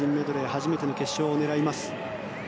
初めての決勝を狙います。